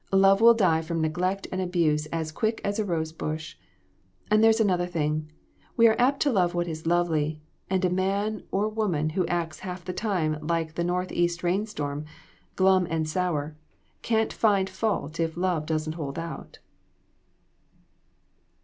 Love will die from neglect and abuse as quick as a rose bush. And there's another thing. We are apt to love what is lovely, and a man or woman who acts half the time like a northeast rain storm, glum and sour, can't find fault if love doesn't hold out."